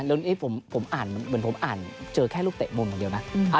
เดี๋ยวนี้ผมอ่านเหมือนผมอ่านเจอแค่รูปเตะมงกันเดียวนะ